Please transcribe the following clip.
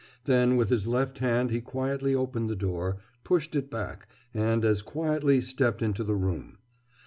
Then with his left hand he quietly opened the door, pushed it back, and as quietly stepped into the room.